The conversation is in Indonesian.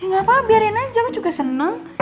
ya gapapa biarin aja aku juga seneng